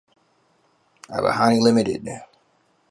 Abahani Limited